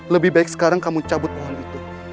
lebih baik sekarang kamu cabut pohon itu